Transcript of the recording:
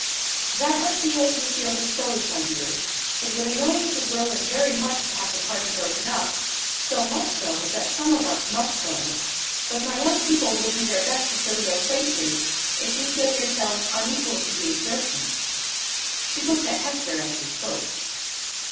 "That must be as you feel disposed, my dears. It would annoy Mrs Rowland very much to have the party broken up; so much so, that some of us must go: but my young people will do their best to fill your places, if you feel yourselves unequal to the exertion." She looked at Hester as she spoke.